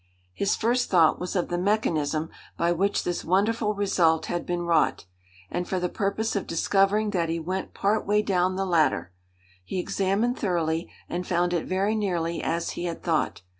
His first thought was of the mechanism by which this wonderful result had been wrought; and for the purpose of discovering that he went part way down the ladder. He examined thoroughly, and found it very nearly as he had thought.